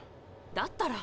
だったら。